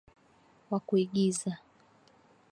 wa kuigiza